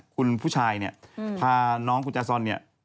คุณผู้ชายเนี่ยพาน้องคุณจาซอนเนี่ย